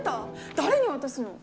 誰に渡すの？